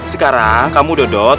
sekarang kamu dodot